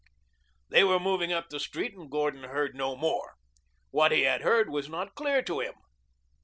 They were moving up the street and Gordon heard no more. What he had heard was not clear to him.